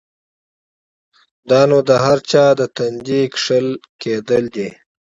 دا نو د هر چا د تندي کښل کېدل دی؛